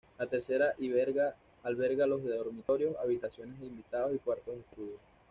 La tercera alberga los dormitorios, habitaciones de invitados y cuartos de estudio.